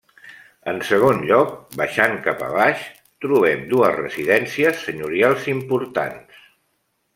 En segon lloc, baixant cap a baix, trobem dues residències senyorials importants.